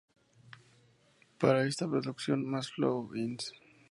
Para esta producción, "Mas Flow Inc.